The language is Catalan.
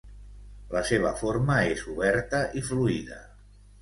La seva forma és oberta i fluida.